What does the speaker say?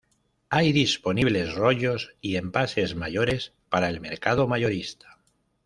Hay disponibles rollos y envases mayores para el mercado mayorista.